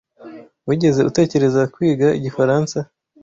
Wigeze utekereza kwiga igifaransa